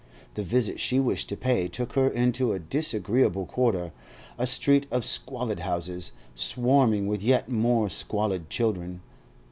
The visit she wished to pay took her into a disagreeable quarter, a street of squalid houses, swarming with yet more squalid children.